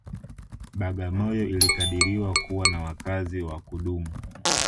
Bagamoyo ilikadiriwa kuwa na wakazi wa kudumu